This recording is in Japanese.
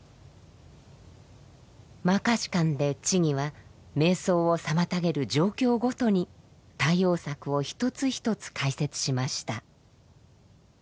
「摩訶止観」で智は瞑想を妨げる状況ごとに対応策を一つ一つ解説しました。